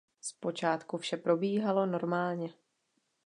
Z počátku vše probíhalo normálně.